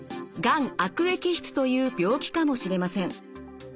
がん悪液質という病気かもしれません。